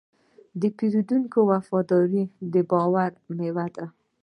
د پیرودونکي وفاداري د باور میوه ده.